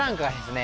ね